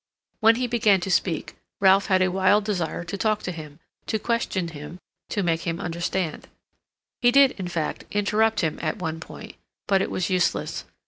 When he began to speak Ralph had a wild desire to talk to him; to question him; to make him understand. He did, in fact, interrupt him at one point; but it was useless.